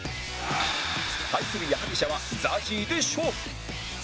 対する矢作舎は ＺＡＺＹ で勝負